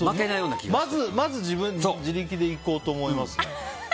まずは自力で行こうと思います。